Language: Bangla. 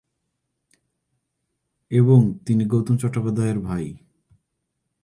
এবং তিনি গৌতম চট্টোপাধ্যায়ের ভাই।